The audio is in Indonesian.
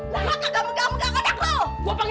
lah kagak mengganggu anak lo